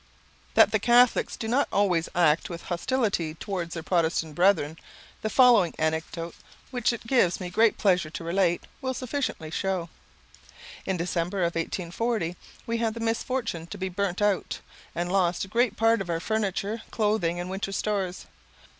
That the Catholics do not always act with hostility towards their Protestant brethren, the following anecdote, which it gives me great pleasure to relate, will sufficiently show: In the December of 1840 we had the misfortune to be burnt out, and lost a great part of our furniture, clothing, and winter stores.